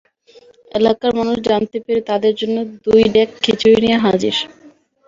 এলাকার মানুষ জানতে পেরে তাঁদের জন্য দুই ডেগ খিচুড়ি নিয়ে হাজির।